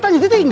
pak cil datang